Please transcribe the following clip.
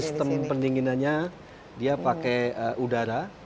di belakang pendinginannya dia pakai udara